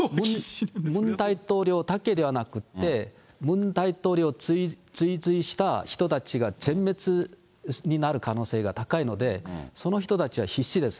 ムン大統領だけではなくて、ムン大統領を追随した人たちが全滅になる可能性が高いので、その人たちは必死です。